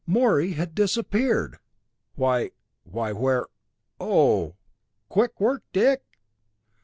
Morey had disappeared! "Why why where ohhh! Quick work, Dick!"